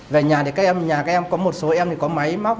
về nhà thì các em có một số em thì có máy móc